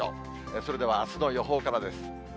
それではあすの予報からです。